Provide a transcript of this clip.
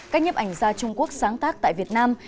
các nhếp ảnh gia trung quốc sáng tác tại việt nam